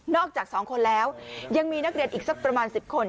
อกจาก๒คนแล้วยังมีนักเรียนอีกสักประมาณ๑๐คน